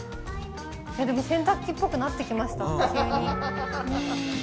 でも洗濯機っぽくなってきました、急に。